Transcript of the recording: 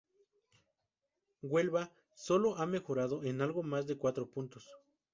Huelva solo ha mejorado en algo más de cuatro puntos.